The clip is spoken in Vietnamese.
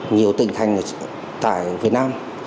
nhiều tỉnh thành tại việt nam